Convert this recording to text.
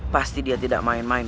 pasti dia tidak main main